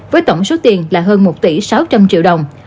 với tổng số tiền là hơn một tỷ sáu trăm linh triệu đồng